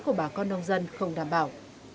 của bà con nông dân không đảm bảo